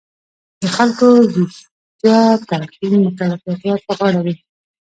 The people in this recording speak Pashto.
د خلکو ویښتیا تلقین مکلفیت ور په غاړه وي.